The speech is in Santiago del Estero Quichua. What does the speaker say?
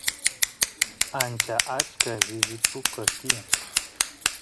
ancha achka shishi pukas tiyan